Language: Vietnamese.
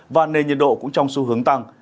và nền nhiệt độ cũng trong xu hướng tăng